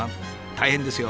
大変ですよ。